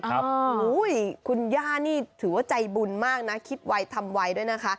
โอ้โหคุณย่านี่ถือว่าใจบุญมากนะคิดไวทำไวด้วยนะคะ